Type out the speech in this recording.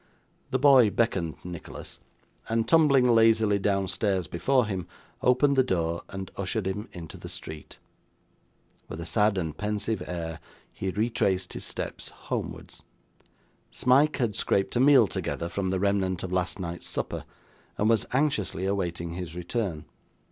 The boy beckoned Nicholas, and tumbling lazily downstairs before him, opened the door, and ushered him into the street. With a sad and pensive air, he retraced his steps homewards. Smike had scraped a meal together from the remnant of last night's supper, and was anxiously awaiting his return.